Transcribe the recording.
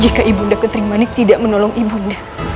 jika ibu nda ketrimanik tidak menolong ibu nda